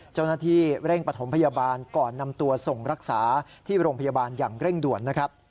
เจ้าหน้าที่เร่งปฐมพยาบาลก่อนนำตัวส่งรักษาที่โรงพยาบาลอย่างเร่งด่วนนะครับ